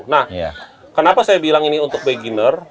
nah kenapa saya bilang ini untuk beginner